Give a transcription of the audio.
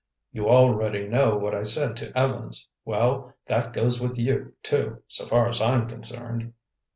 "You already know what I said to Evans. Well, that goes with you too, so far as I'm concerned."